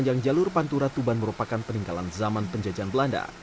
jembatan di sepanjang jalur pantura tuban merupakan peninggalan zaman penjejaan belanda